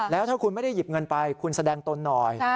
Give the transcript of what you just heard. แล้วถ้าคุณไม่ได้หยิบเงินไปคุณแสดงตนหน่อย